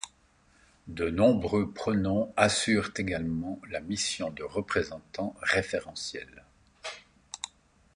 De nombreux pronoms assurent également la mission de représentant référentiel.